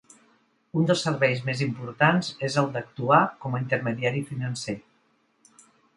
Un dels serveis més importants és el d'actuar com a intermediari financer.